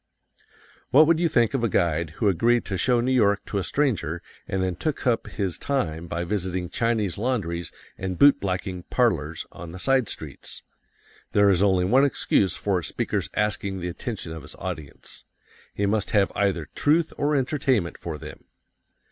What would you think of a guide who agreed to show New York to a stranger and then took up his time by visiting Chinese laundries and boot blacking "parlors" on the side streets? There is only one excuse for a speaker's asking the attention of his audience: He must have either truth or entertainment for them.